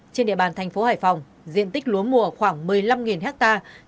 trên địa bàn thành phố hải phòng diện tích lúa mùa khoảng một mươi năm hectare